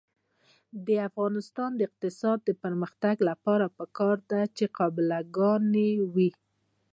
د افغانستان د اقتصادي پرمختګ لپاره پکار ده چې قابله ګانې وي.